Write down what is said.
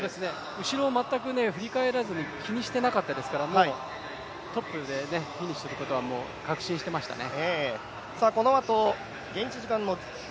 後ろを全く振り返らずに気にしてなかったですからもうトップでフィニッシュすることは確信していましたね。